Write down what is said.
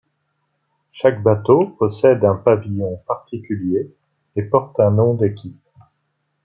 Chaque bateau possède un pavillon particulier et porte un nom d'équipe.